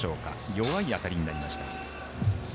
弱い当たりになりました。